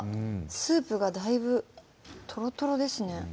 スープがだいぶとろとろですね